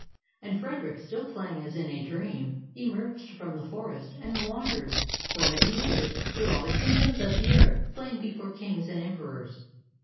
And Frederick, still playing as in a dream, emerged from the forest, and wandered for many years through all the kingdoms of the earth, playing before kings and emperors.